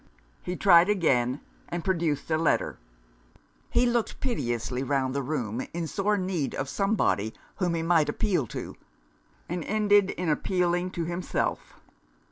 He tried again, and produced a letter. He looked piteously round the room, in sore need of somebody whom he might appeal to, and ended in appealing to himself.